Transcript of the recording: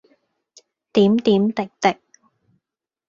點點滴滴。